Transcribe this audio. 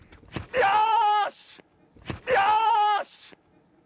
よし！